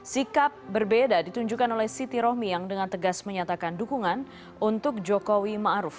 sikap berbeda ditunjukkan oleh siti romi yang dengan tegas menyatakan dukungan untuk jokowi ma'ruf